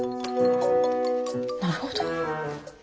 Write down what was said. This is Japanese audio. なるほど。